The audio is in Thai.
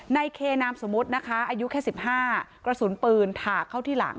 ในเคนามสมมุตินะคะอายุแค่๑๕กระสุนปืนถากเข้าที่หลัง